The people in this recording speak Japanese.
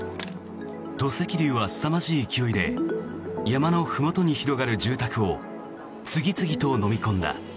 土石流はすさまじい勢いで山のふもとに広がる住宅を次々とのみ込んだ。